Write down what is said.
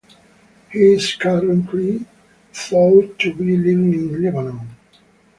He is currently thought to be living in Lebanon.